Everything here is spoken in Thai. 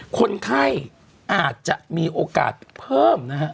คนไข้อาจจะมีโอกาสเพิ่มนะฮะ